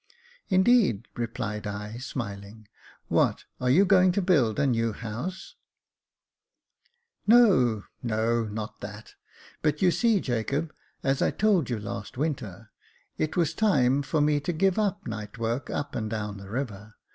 " Indeed !" replied I, smiling. " What, are you going to build a new house ?" Jacob Faithful 291 " No, no — not that ; but you see, Jacob, as I told you last winter, it was time for me to give up night work up and down the river.